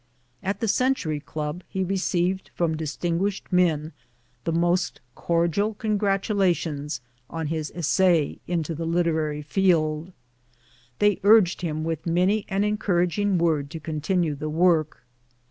At the Century Club he received from distin guished men the most cordial congratulations on his essay into the literary field. They urged him with many an encouraging word to continue the work.